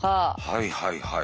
はいはいはい。